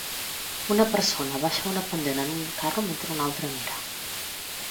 Una persona baixa una pendent en un carro mentre una altra mira.